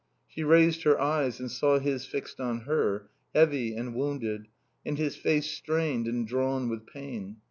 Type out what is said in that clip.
She raised her eyes and saw his fixed on her, heavy and wounded, and his face strained and drawn with pain.